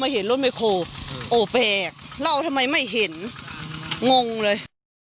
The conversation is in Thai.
แอะแปดเราทำไมไม่เห็นงงเลย